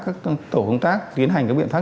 các tổ công tác tiến hành các biện pháp